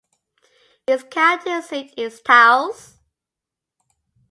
Its county seat is Taos.